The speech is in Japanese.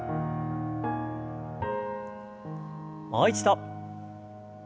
もう一度。